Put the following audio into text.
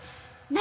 何？